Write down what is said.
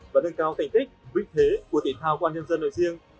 và nâng cao thành tích vinh thế của thể thao công an nhân dân nơi riêng